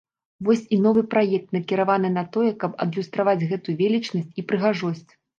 Вось і новы праект накіраваны на тое, каб адлюстраваць гэту велічнасць і прыгажосць.